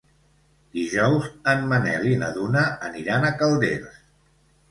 Dijous en Manel i na Duna aniran a Calders.